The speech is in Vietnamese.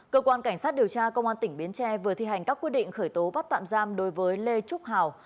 cơ quan cảnh sát điều tra công an tỉnh bến tre vừa thi hành các quyết định khởi tố bắt tạm giam đối với lê trúc hào